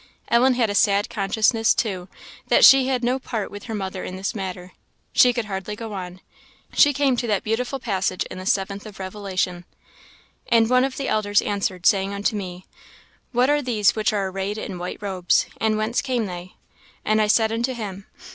Ellen had a sad consciousness, too, that she had no part with her mother in this matter. She could hardly go on. She came to that beautiful passage in the seventh of Revelation: "And one of the elders answered, saying unto me, What are these which are arrayed in white robes? and whence came they? And I said unto him.